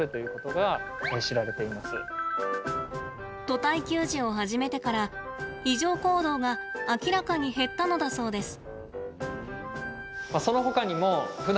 と体給餌を始めてから異常行動が明らかに減ったのだそうです。